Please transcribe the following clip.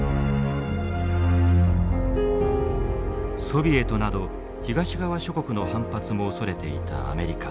ソビエトなど東側諸国の反発も恐れていたアメリカ。